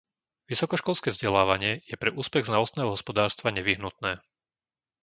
Vysokoškolské vzdelávanie je pre úspech znalostného hospodárstva nevyhnutné.